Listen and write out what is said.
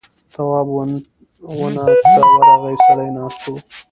تواب ونه ته ورغی سړی ناست و.